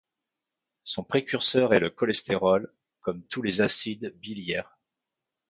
Son précurseur est le cholestérol, comme tous les acides biliaires.